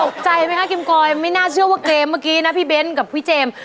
ใจไหมคะกิมกอยไม่น่าเชื่อว่าเกมเมื่อกี้นะพี่เบ้นกับพี่เจมส์